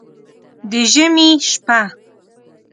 د ژمي شپه